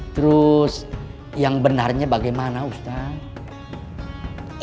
terus yang benarnya bagaimana ustadz